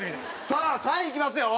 さあ３位いきますよ。